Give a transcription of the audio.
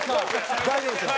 大丈夫ですよ。